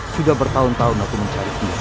sudah bertahun tahun aku mencari pilihan